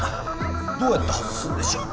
どうやって外すんでしょう？